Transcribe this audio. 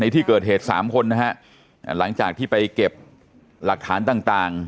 ที่เกิดเหตุสามคนนะฮะหลังจากที่ไปเก็บหลักฐานต่างต่าง